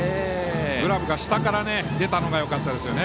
グラブが下から出たのがよかったですよね。